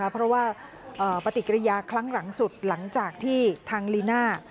เพราะว่าปฏิกิริยาครั้งหลังสุดหลังจากที่ทางลีน่า